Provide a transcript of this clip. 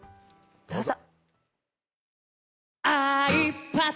どうぞ。